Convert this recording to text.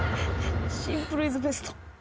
シンプルイズベスト。